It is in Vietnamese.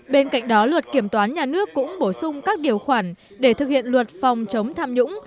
bên cạnh đó luật kiểm toán nhà nước cũng bổ sung các điều khoản để thực hiện luật phòng chống tham nhũng